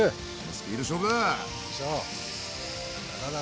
スピード勝負だ！